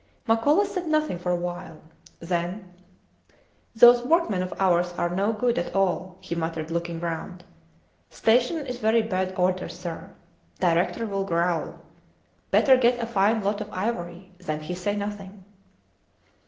Makola said nothing for a while. Then: Those workmen of ours are no good at all, he muttered, looking round. Station in very bad order, sir. Director will growl. Better get a fine lot of ivory, then he say nothing.